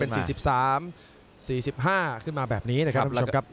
เป็น๔๓๔๕ขึ้นมาแบบนี้นะครับคุณผู้ชมครับ